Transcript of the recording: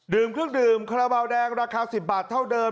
ดื่มเครื่องดื่มคลาแบลแตงราคา๑๐บาทเท่าเดิม